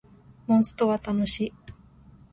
モンストは楽しい